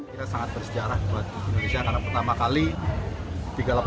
kita sangat bersejarah buat indonesia karena pertama kali